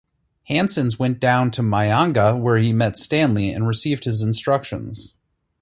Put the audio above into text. Hanssens went down to Manyanga where he met Stanley and received his instructions.